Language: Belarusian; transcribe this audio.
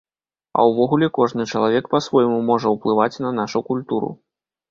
А ўвогуле, кожны чалавек па-свойму можа ўплываць на нашу культуру.